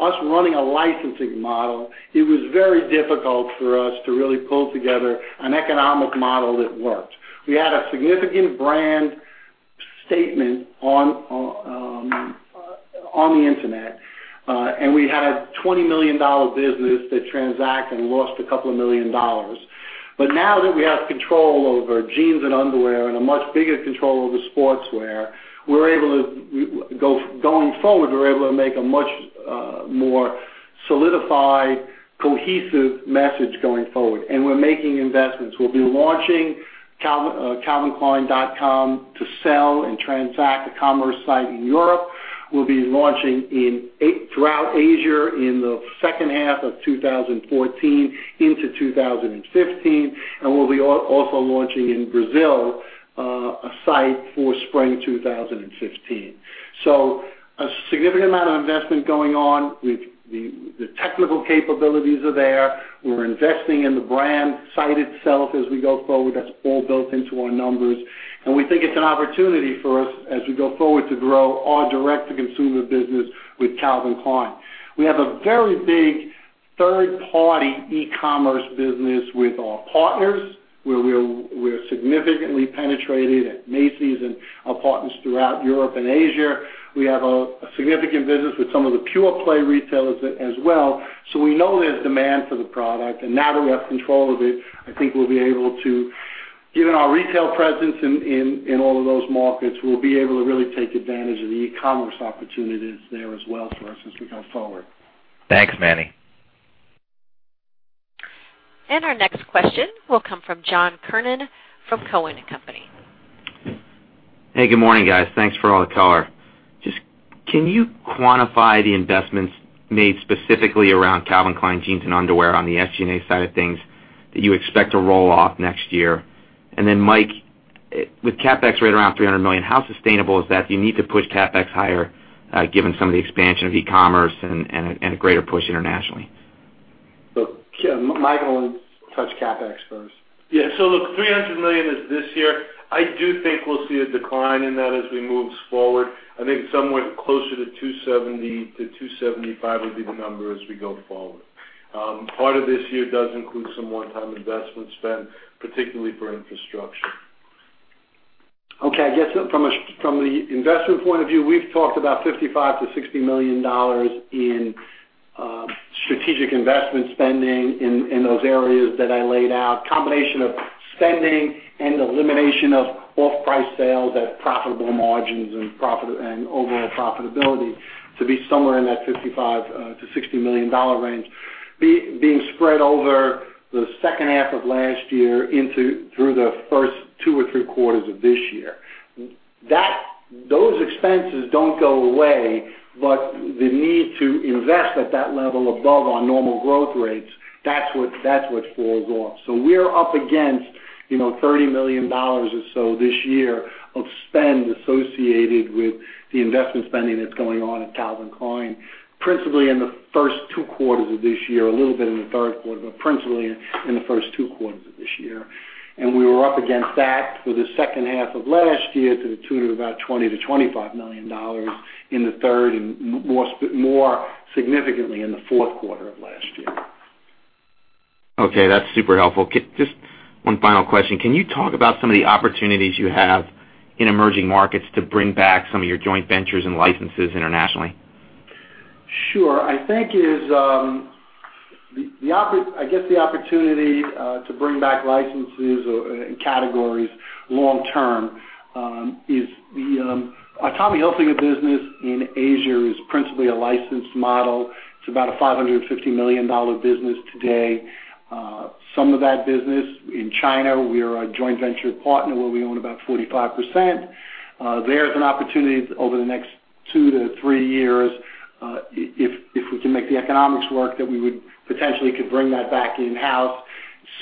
us running a licensing model, it was very difficult for us to really pull together an economic model that worked. We had a significant brand statement on the internet, and we had a $20 million business that transacted and lost a couple of million dollars. Now that we have control over jeans and underwear and a much bigger control over sportswear, going forward, we're able to make a much more solidified, cohesive message going forward. We're making investments. We'll be launching calvinklein.com to sell and transact a commerce site in Europe. We'll be launching throughout Asia in the second half of 2014 into 2015, and we'll be also launching in Brazil a site for spring 2015. A significant amount of investment going on. The technical capabilities are there. We're investing in the brand site itself as we go forward. That's all built into our numbers. We think it's an opportunity for us as we go forward to grow our direct-to-consumer business with Calvin Klein. We have a very big third-party e-commerce business with our partners, where we're significantly penetrated at Macy's and our partners throughout Europe and Asia. We have a significant business with some of the pure-play retailers as well. We know there's demand for the product, and now that we have control of it, given our retail presence in all of those markets, we'll be able to really take advantage of the e-commerce opportunities there as well for us as we go forward. Thanks, Manny. Our next question will come from John Kernan from Cowen and Company. Hey, good morning, guys. Thanks for all the color. Can you quantify the investments made specifically around Calvin Klein jeans and underwear on the SG&A side of things that you expect to roll off next year? Mike, with CapEx right around $300 million, how sustainable is that if you need to push CapEx higher, given some of the expansion of e-commerce and a greater push internationally? Look, Mike will touch CapEx first. Yeah. Look, $300 million is this year. I do think we'll see a decline in that as we move forward. I think somewhere closer to $270 million-$275 million will be the number as we go forward. Part of this year does include some one-time investment spend, particularly for infrastructure. Okay. I guess from the investment point of view, we've talked about $55 million-$60 million in strategic investment spending in those areas that I laid out. Combination of spending and elimination of off-price sales at profitable margins and overall profitability to be somewhere in that $55 million-$60 million range. Being spread over the second half of last year through the first two or three quarters of this year. Those expenses don't go away, the need to invest at that level above our normal growth rates, that's what falls off. We're up against $30 million or so this year of spend associated with the investment spending that's going on at Calvin Klein, principally in the first two quarters of this year, a little bit in the third quarter, but principally in the first two quarters of this year. We were up against that for the second half of last year to the tune of about $20 million-$25 million in the third, and more significantly in the fourth quarter of last year. Okay, that's super helpful. Just one final question. Can you talk about some of the opportunities you have in emerging markets to bring back some of your joint ventures and licenses internationally? Sure. I guess the opportunity to bring back licenses or categories long term is the Tommy Hilfiger business in Asia is principally a licensed model. It's about a $550 million business today. Some of that business, in China, we are a joint venture partner where we own about 45%. There's an opportunity over the next two to three years, if we can make the economics work, that we would potentially could bring that back in-house.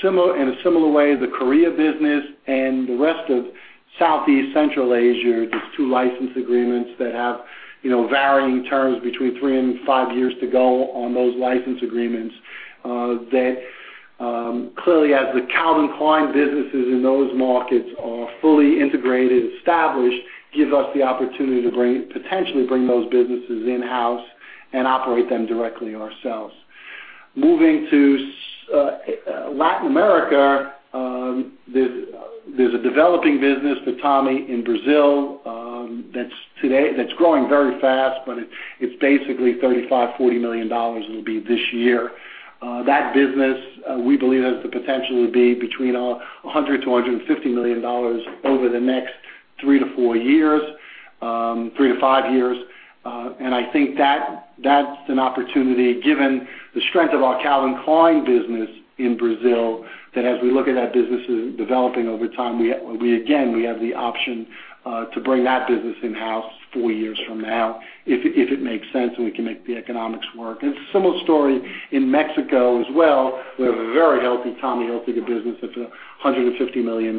In a similar way, the Korea business and the rest of Southeast Central Asia, there's two license agreements that have varying terms between three and five years to go on those license agreements. That clearly as the Calvin Klein businesses in those markets are fully integrated, established, gives us the opportunity to potentially bring those businesses in-house and operate them directly ourselves. Moving to Latin America, there's a developing business for Tommy in Brazil that's growing very fast, but it's basically $35 million-$40 million it'll be this year. That business, we believe, has the potential to be between $100 million-$150 million over the next three to four years, three to five years. I think that's an opportunity, given the strength of our Calvin Klein business in Brazil, that as we look at that business developing over time, we again, have the option to bring that business in-house four years from now if it makes sense and we can make the economics work. It's a similar story in Mexico as well. We have a very healthy Tommy Hilfiger business that's $150 million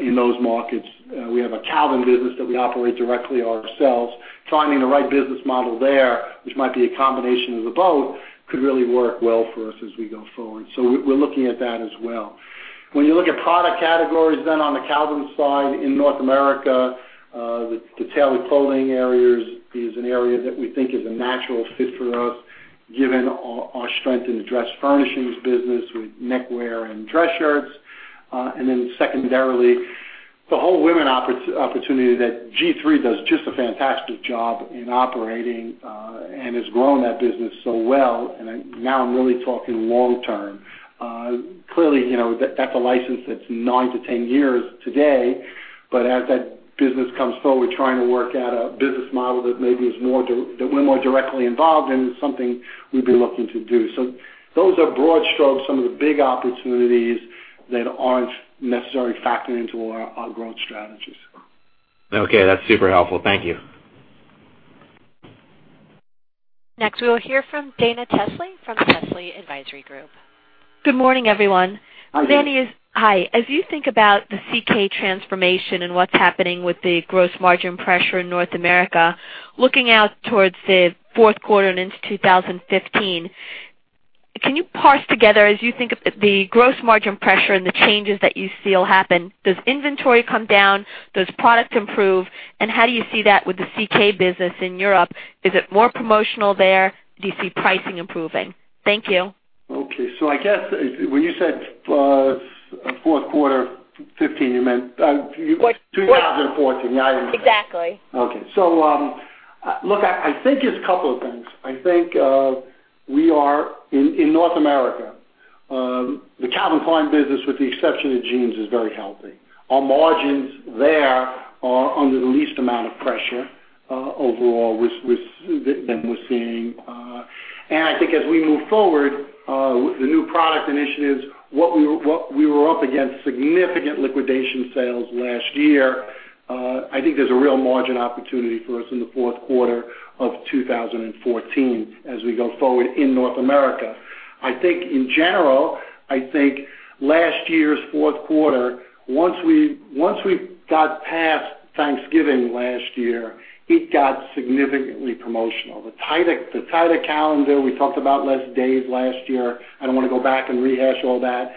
in those markets. We have a Calvin business that we operate directly ourselves. Finding the right business model there, which might be a combination of the both, could really work well for us as we go forward. We're looking at that as well. You look at product categories then on the Calvin side in North America, the tailored clothing area is an area that we think is a natural fit for us, given our strength in the dress furnishings business with neckwear and dress shirts. Then secondarily, the whole women opportunity that G-III does just a fantastic job in operating and has grown that business so well. Now I'm really talking long term. Clearly, that's a license that's nine to 10 years today. As that business comes forward, trying to work out a business model that we're more directly involved in is something we'd be looking to do. Those are broad strokes, some of the big opportunities that aren't necessarily factored into our growth strategies. Okay. That's super helpful. Thank you. Next, we will hear from Dana Telsey from Telsey Advisory Group. Good morning, everyone. Good morning. Oh Danny is-- Hi. As you think about the CK transformation and what's happening with the gross margin pressure in North America, looking out towards the fourth quarter and into 2015, can you parse together as you think of the gross margin pressure and the changes that you see will happen, does inventory come down? Does product improve? And how do you see that with the CK business in Europe? Is it more promotional there? Do you see pricing improving? Thank you. Okay. I guess when you said fourth quarter 2015, you meant- What- 2014. Yeah, I understand. Exactly. Okay. Look, I think it's a couple of things. I think we are, in North America, the Calvin Klein business, with the exception of jeans, is very healthy. Our margins there are under the least amount of pressure overall than we're seeing. I think as we move forward with the new product initiatives, we were up against significant liquidation sales last year. I think there's a real margin opportunity for us in the fourth quarter of 2014 as we go forward in North America. I think in general, I think last year's fourth quarter, once we got past Thanksgiving last year, it got significantly promotional. The tighter calendar, we talked about less days last year. I don't want to go back and rehash all that.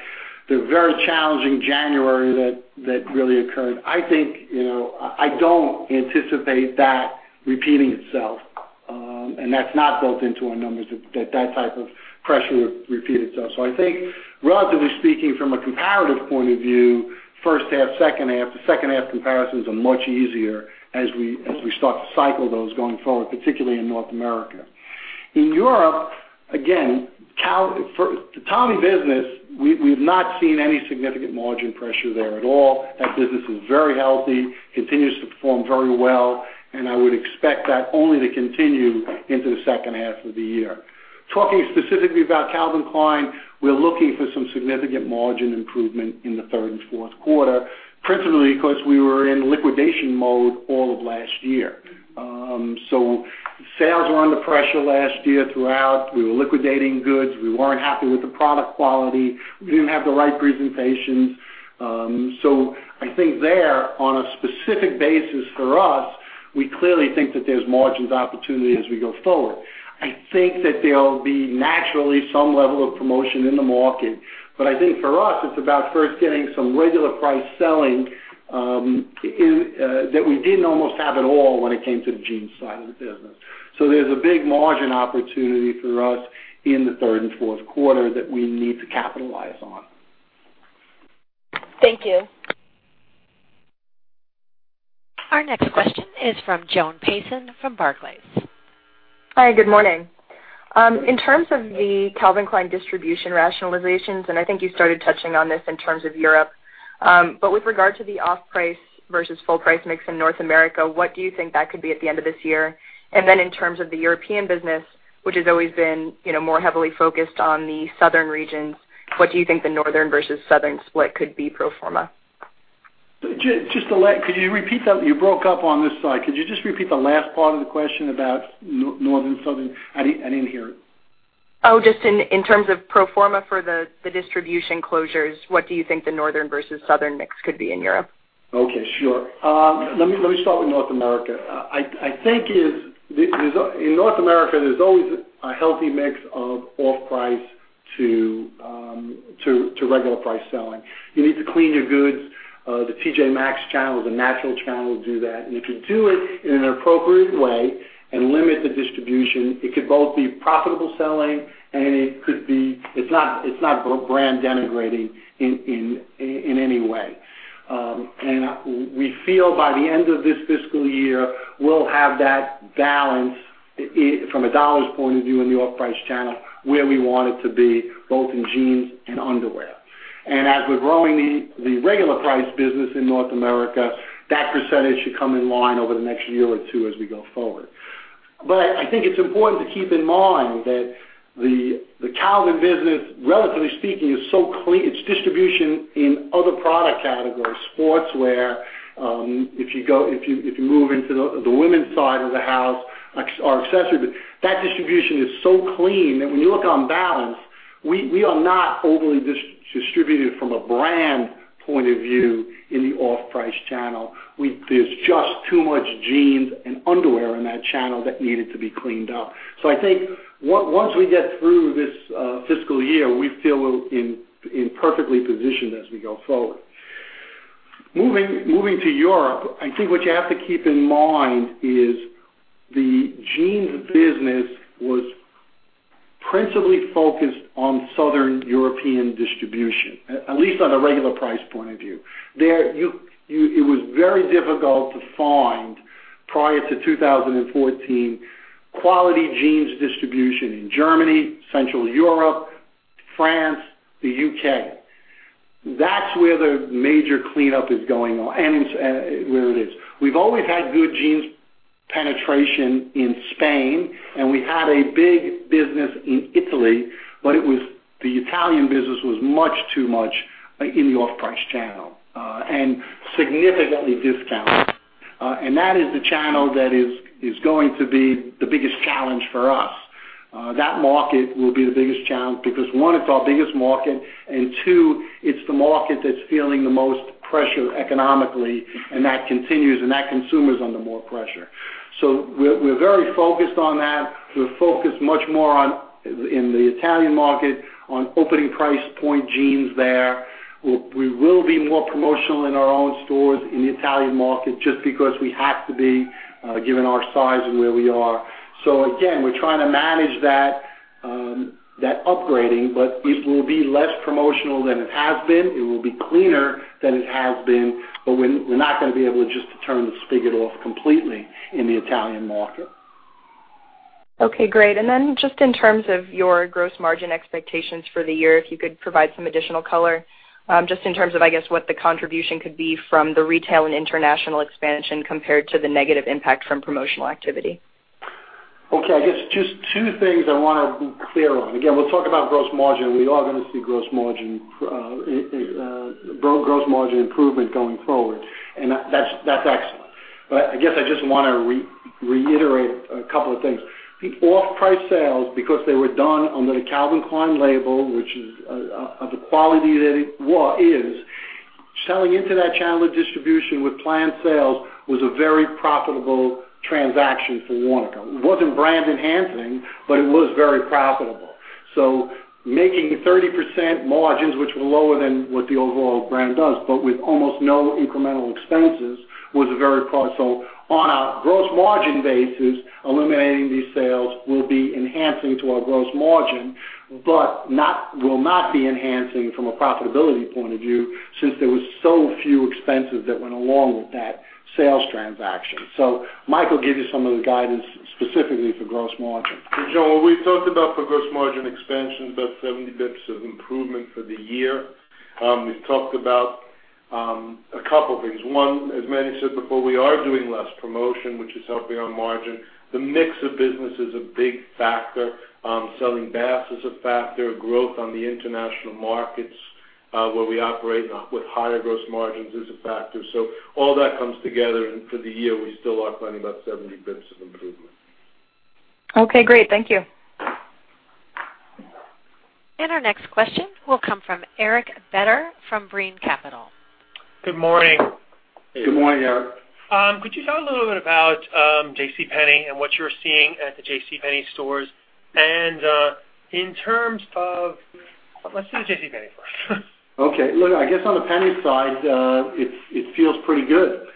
The very challenging January that really occurred. I don't anticipate that repeating itself. That's not built into our numbers, that type of pressure would repeat itself. I think relatively speaking from a comparative point of view, first half, second half, the second half comparisons are much easier as we start to cycle those going forward, particularly in North America. In Europe, again, the Tommy business, we've not seen any significant margin pressure there at all. That business is very healthy, continues to perform very well, and I would expect that only to continue into the second half of the year. Talking specifically about Calvin Klein, we're looking for some significant margin improvement in the third and fourth quarter, principally because we were in liquidation mode all of last year. Sales were under pressure last year throughout. We were liquidating goods. We weren't happy with the product quality. We didn't have the right presentations. I think there, on a specific basis for us. We clearly think that there's margins opportunity as we go forward. I think that there'll be naturally some level of promotion in the market. I think for us, it's about first getting some regular price selling that we didn't almost have at all when it came to the jeans side of the business. There's a big margin opportunity for us in the third and fourth quarter that we need to capitalize on. Thank you. Our next question is from Joan Payson from Barclays. Hi, good morning. In terms of the Calvin Klein distribution rationalizations, and I think you started touching on this in terms of Europe. With regard to the off-price versus full-price mix in North America, what do you think that could be at the end of this year? In terms of the European business, which has always been more heavily focused on the southern regions, what do you think the northern versus southern split could be pro forma? Could you repeat that? You broke up on this side. Could you just repeat the last part of the question about northern, southern? I didn't hear it. Just in terms of pro forma for the distribution closures, what do you think the northern versus southern mix could be in Europe? Okay, sure. Let me start with North America. I think in North America, there's always a healthy mix of off-price to regular price selling. You need to clean your goods. The TJ Maxx channel is a natural channel to do that. If you do it in an appropriate way and limit the distribution, it could both be profitable selling, and it's not brand denigrating in any way. We feel by the end of this fiscal year, we'll have that balance from a dollars point of view in the off-price channel where we want it to be, both in jeans and underwear. As we're growing the regular price business in North America, that percentage should come in line over the next year or two as we go forward. I think it's important to keep in mind that the Calvin business, relatively speaking, its distribution in other product categories, sportswear, if you move into the women's side of the house or accessories, that distribution is so clean that when you look on balance, we are not overly distributed from a brand point of view in the off-price channel. There's just too much jeans and underwear in that channel that needed to be cleaned up. I think once we get through this fiscal year, we feel we're perfectly positioned as we go forward. Moving to Europe, I think what you have to keep in mind is the jeans business was principally focused on Southern European distribution, at least on a regular price point of view. It was very difficult to find, prior to 2014, quality jeans distribution in Germany, Central Europe, France, the U.K. That's where the major cleanup is going on, and where it is. We've always had good jeans penetration in Spain, and we had a big business in Italy, but the Italian business was much too much in the off-price channel, and significantly discounted. That is the channel that is going to be the biggest challenge for us. That market will be the biggest challenge because, one, it's our biggest market, and two, it's the market that's feeling the most pressure economically, and that continues, and that consumer's under more pressure. We're very focused on that. We're focused much more in the Italian market on opening price point jeans there. We will be more promotional in our own stores in the Italian market just because we have to be given our size and where we are. Again, we're trying to manage that upgrading, but it will be less promotional than it has been. It will be cleaner than it has been, but we're not going to be able to just turn the spigot off completely in the Italian market. Okay, great. Just in terms of your gross margin expectations for the year, if you could provide some additional color, just in terms of, I guess, what the contribution could be from the retail and international expansion compared to the negative impact from promotional activity. Okay. I guess just two things I want to be clear on. Again, we'll talk about gross margin. We are going to see gross margin improvement going forward, and that's excellent. I guess I just want to reiterate a couple of things. The off-price sales, because they were done under the Calvin Klein label, which is of the quality that it is, selling into that channel of distribution with planned sales was a very profitable transaction for Warnaco. It wasn't brand enhancing, but it was very profitable. Making 30% margins, which were lower than what the overall brand does, but with almost no incremental expenses, was very profitable. On a gross margin basis, eliminating these sales will be enhancing to our gross margin, but will not be enhancing from a profitability point of view since there were so few expenses that went along with that sales transaction. Mike will give you some of the guidance specifically for gross margin. Joan, what we talked about for gross margin expansion, about 70 bps of improvement for the year. We've talked about a couple things. One, as Manny said before, we are doing less promotion, which is helping our margin. The mix of business is a big factor. Selling Bass is a factor. Growth on the international markets where we operate with higher gross margins is a factor. All that comes together, and for the year, we still are planning about 70 bps of improvement. Okay, great. Thank you. Our next question will come from Eric Beder from Brean Capital. Good morning. Good morning, Eric. Could you talk a little bit about JCPenney and what you're seeing at the JCPenney stores? Let's do the JCPenney first. Okay. Look, I guess on the Penney side, it feels pretty good.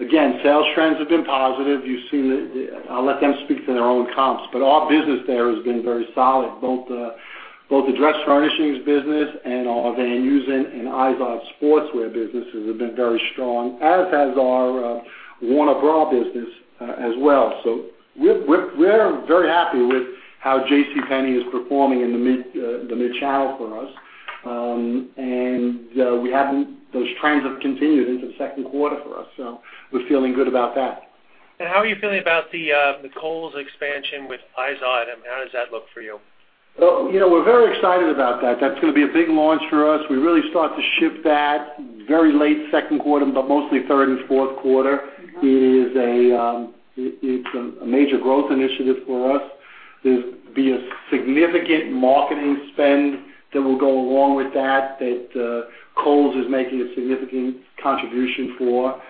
Again, sales trends have been positive. I'll let them speak to their own comps, but our business there has been very solid, both the Dress Furnishings business and our Van Heusen and IZOD sportswear businesses have been very strong, as has our Warners Bra business as well. We're very happy with how JCPenney is performing in the mid-channel for us. Those trends have continued into the second quarter for us, so we're feeling good about that. How are you feeling about the Kohl's expansion with IZOD? How does that look for you? Well, we're very excited about that. That's going to be a big launch for us. We really start to ship that very late second quarter, but mostly third and fourth quarter. It is a major growth initiative for us. There's going to be a significant marketing spend that will go along with that Kohl's is making a significant contribution for.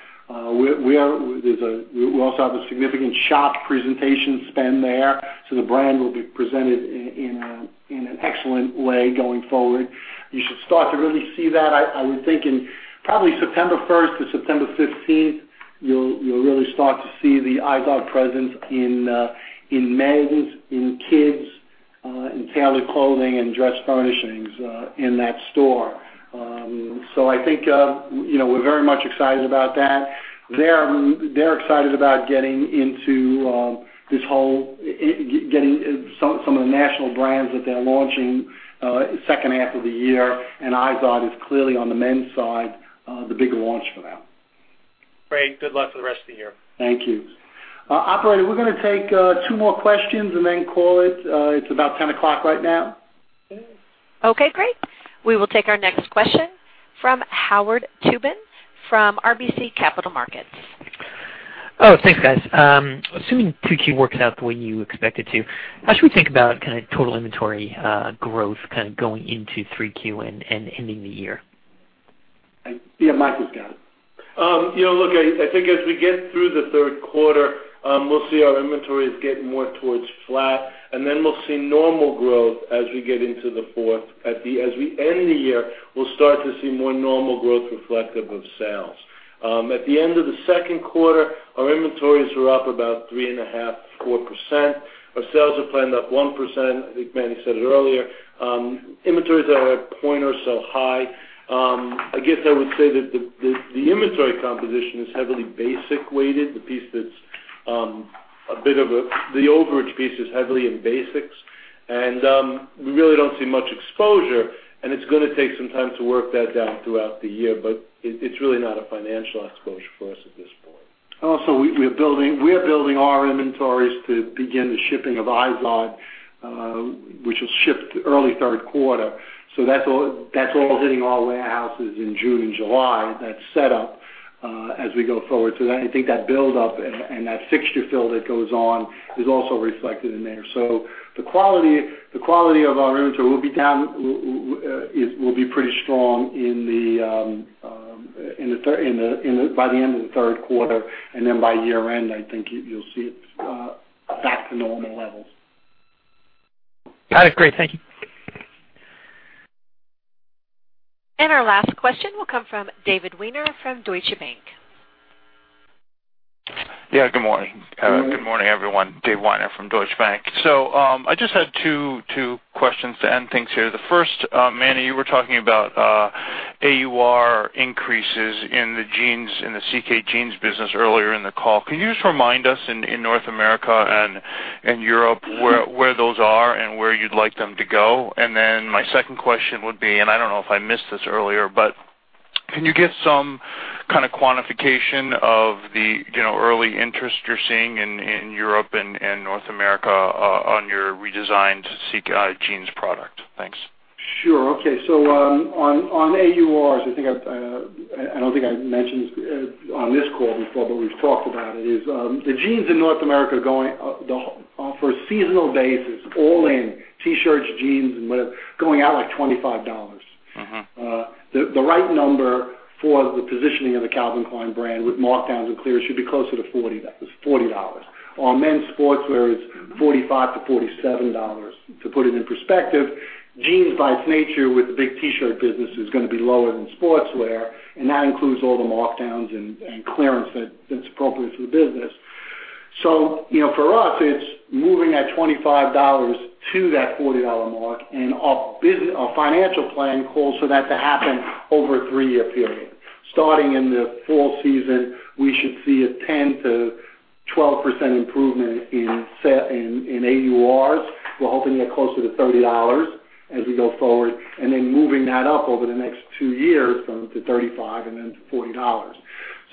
We also have a significant shop presentation spend there. The brand will be presented in an excellent way going forward. You should start to really see that, I would think, in probably September 1st to September 15th. You'll really start to see the IZOD presence in men's, in kids', in tailored clothing, and dress furnishings in that store. I think we're very much excited about that. They're excited about getting some of the national brands that they're launching second half of the year, and IZOD is clearly, on the men's side, the bigger launch for them. Great. Good luck for the rest of the year. Thank you. Operator, we're gonna take two more questions and then call it. It's about 10 o'clock right now. Okay, great. We will take our next question from Howard Tubin from RBC Capital Markets. Oh, thanks guys. Assuming 2Q works out the way you expect it to, how should we think about total inventory growth going into 3Q and ending the year? Yeah, Michael's got it. Look, I think as we get through the third quarter, we'll see our inventories get more towards flat, then we'll see normal growth as we get into the fourth. As we end the year, we'll start to see more normal growth reflective of sales. At the end of the second quarter, our inventories were up about 3.5%, 4%. Our sales were planned up 1%. I think Manny said it earlier. Inventories are a point or so high. I guess I would say that the inventory composition is heavily basic weighted. The overage piece is heavily in basics. We really don't see much exposure, it's going to take some time to work that down throughout the year, but it's really not a financial exposure for us at this point. Also, we are building our inventories to begin the shipping of IZOD, which will ship early third quarter. That's all hitting our warehouses in June and July. That's set up as we go forward. I think that buildup and that fixture fill that goes on is also reflected in there. The quality of our inventory will be pretty strong by the end of the third quarter, then by year-end, I think you'll see it back to normal levels. Got it. Great. Thank you. Our last question will come from David Weiner from Deutsche Bank. Yeah, good morning. Good morning, everyone. David Weiner from Deutsche Bank. I just had two questions to end things here. The first, Manny, you were talking about AUR increases in the CK jeans business earlier in the call. Can you just remind us, in North America and Europe, where those are and where you'd like them to go? My second question would be, I don't know if I missed this earlier, can you give some kind of quantification of the early interest you're seeing in Europe and North America on your redesigned CK jeans product? Thanks. Sure. Okay. On AURs, I don't think I've mentioned on this call before, but we've talked about it, is the jeans in North America, for a seasonal basis, all in, T-shirts, jeans, and whatever, going out like $25. The right number for the positioning of the Calvin Klein brand with markdowns and clears should be closer to $40. Our men's sportswear is $45-$47. To put it in perspective, jeans, by its nature, with the big T-shirt business, is going to be lower than sportswear, and that includes all the markdowns and clearance that's appropriate for the business. For us, it's moving that $25 to that $40 mark, and our financial plan calls for that to happen over a three-year period. Starting in the fall season, we should see a 10%-12% improvement in AURs. We're hoping to get closer to $30 as we go forward, moving that up over the next two years to $35 and then to $40.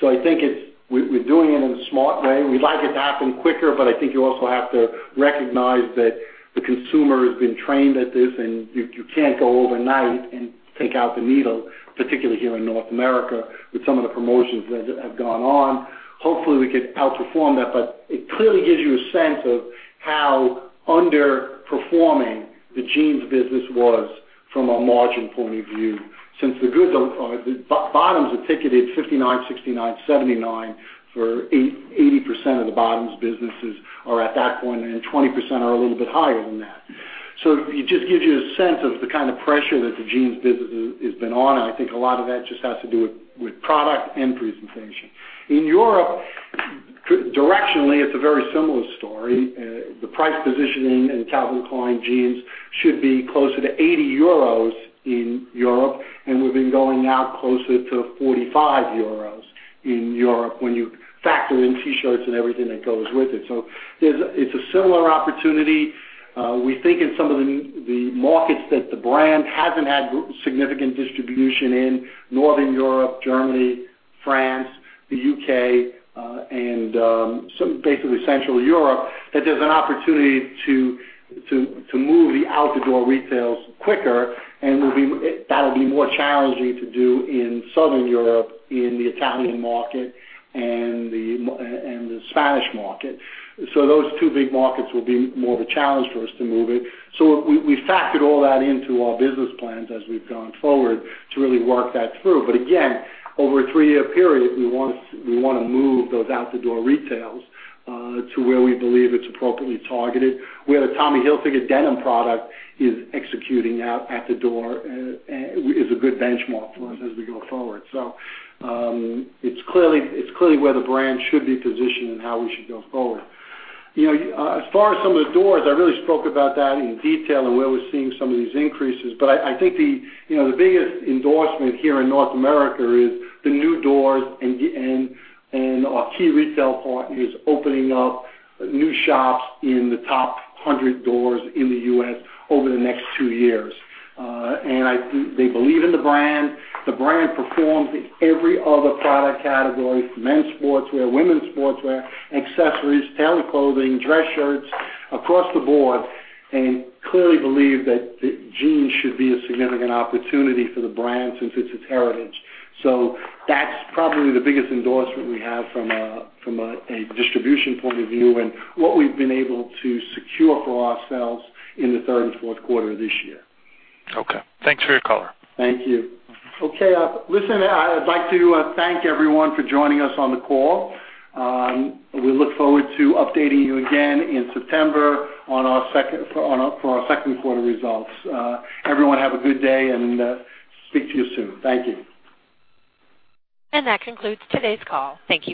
I think we're doing it in a smart way. We'd like it to happen quicker, I think you also have to recognize that the consumer has been trained at this, you can't go overnight and take out the needle, particularly here in North America, with some of the promotions that have gone on. Hopefully, we can outperform that. It clearly gives you a sense of how underperforming the jeans business was from a margin point of view. The bottoms are ticketed $59, $69, $79 for 80% of the bottoms businesses are at that point, and 20% are a little bit higher than that. It just gives you a sense of the kind of pressure that the jeans business has been on, I think a lot of that just has to do with product and presentation. In Europe, directionally, it's a very similar story. It's a similar opportunity. We think in some of the markets that the brand hasn't had significant distribution in Northern Europe, Germany, France, the U.K., and basically Central Europe, that there's an opportunity to move the out-the-door retails quicker, and that'll be more challenging to do in Southern Europe, in the Italian market and the Spanish market. Those two big markets will be more of a challenge for us to move it. We factored all that into our business plans as we've gone forward to really work that through. Again, over a three-year period, we want to move those out-the-door retails to where we believe it's appropriately targeted, where the Tommy Hilfiger denim product is executing out-the-door is a good benchmark for us as we go forward. It's clearly where the brand should be positioned and how we should go forward. As far as some of the doors, I really spoke about that in detail and where we're seeing some of these increases. I think the biggest endorsement here in North America is the new doors and our key retail partners opening up new shops in the top 100 doors in the U.S. over the next two years. They believe in the brand. The brand performs in every other product category from men's sportswear, women's sportswear, accessories, tailored clothing, dress shirts, across the board, and clearly believe that jeans should be a significant opportunity for the brand since it's its heritage. That's probably the biggest endorsement we have from a distribution point of view and what we've been able to secure for ourselves in the third and fourth quarter of this year. Okay. Thanks for your color. Thank you. Okay. Listen, I'd like to thank everyone for joining us on the call. We look forward to updating you again in September for our second quarter results. Everyone have a good day, and speak to you soon. Thank you. That concludes today's call. Thank you for your participation.